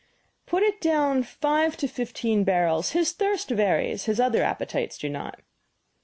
"Put it down five to fifteen barrels his thirst varies; his other appetites do not."